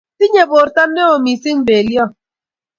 Tinyei borto neo missing beliot